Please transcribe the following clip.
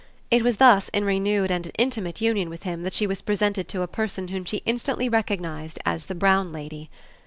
It was thus in renewed and intimate union with him that she was presented to a person whom she instantly recognised as the brown lady.